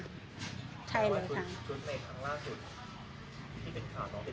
แต่ว่าชุดในครั้งล่าสุดมีเป็นข่าวเนอะ